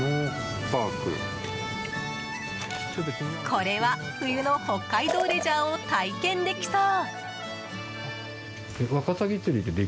これは冬の北海道レジャーを体験できそう。